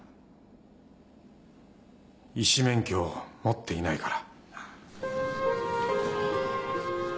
医師免許を持っていないから。